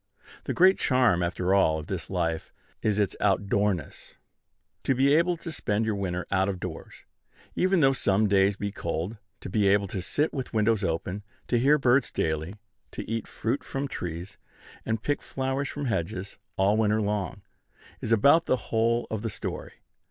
The great charm, after all, of this life, is its outdoorness. To be able to spend your winter out of doors, even though some days be cold; to be able to sit with windows open; to hear birds daily; to eat fruit from trees, and pick flowers from hedges, all winter long, is about the whole of the story.